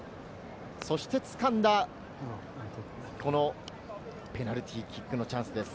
そして掴んだペナルティーキックのチャンスです。